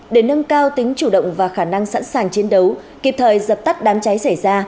để nâng cao tính chủ động và khả năng sẵn sàng chiến đấu kịp thời dập tắt đám cháy xảy ra